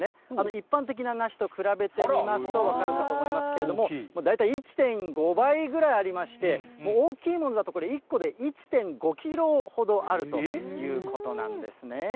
一般的な梨と比べてみますと分かるかと思いますけども、大体１．５倍ぐらいありまして、大きいものだとこれ、１個で１．５キロほどあるということなんですね。